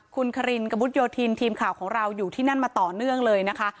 คุณคารินกระมุดโยธินทีมข่าวของเราอยู่ที่นั่นมาต่อเนื่องเลยนะคะ